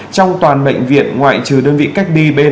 trong toàn bệnh viện ngoại trừ đơn vị cách bi bên